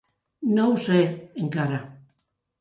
No ho sé, encara.